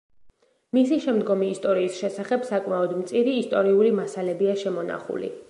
მისი შემდგომი ისტორიის შესახებ საკმაოდ მწირი ისტორიული მასალებია შემონახული.